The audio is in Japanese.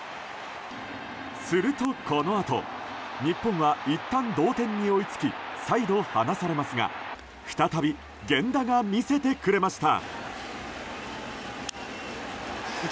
すると、このあと日本はいったん同点に追いつき再度、離されますが再び源田が見せてくれました。